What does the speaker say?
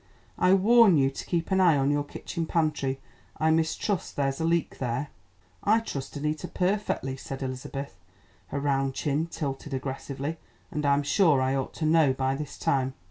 I warn you to keep an eye on your kitchen pantry. I mistrust there's a leak there." "I trust Annita perfectly," said Elizabeth, her round chin tilted aggressively. "And I'm sure I ought to know by this time."